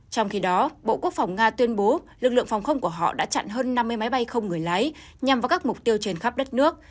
trong khi đó bộ quốc phòng nga tuyên bố lực lượng phòng không của họ đã chặn hơn năm mươi máy bay không người lái nhằm vào các mục tiêu trên khắp đất nước